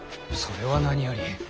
それは何より。